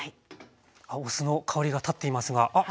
お酢の香りが立っていますがあっ